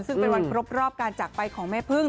ซึ่งเป็นวันครบรอบการจากไปของแม่พึ่ง